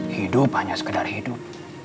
hidup hanya sekedar hidup